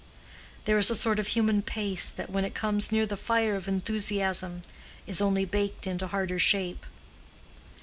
There is a sort of human paste that when it comes near the fire of enthusiasm is only baked into harder shape.